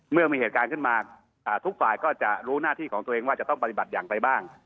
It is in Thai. เมื่อมีเหตุการณ์ขึ้นมาทุกฝ่ายก็จะรู้หน้าที่ของตัวเองว่าจะต้องปฏิบัติอย่างไรบ้าง